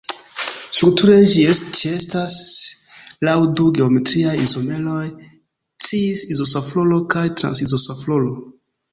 Strukture ĝi ĉeestas laŭ du geometriaj izomeroj, cis-izosafrolo kaj trans-izosafrolo.